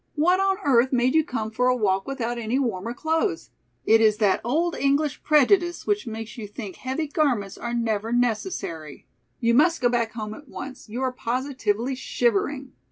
What on earth made you come for a walk without any warmer clothes? It is that old English prejudice which makes you think heavy garments are never necessary. You must go back home at once. You are positively shivering."